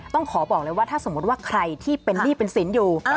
ต้องขอบอกเลยว่าถ้าสมมติว่าใครที่เป็นหนี้เป็นสินอยู่